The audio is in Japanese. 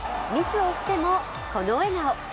ミスをしても、この笑顔。